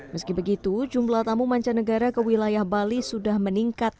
meski begitu jumlah tamu mancanegara ke wilayah bali sudah meningkat